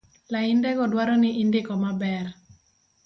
laindego dwaro ni indiko maber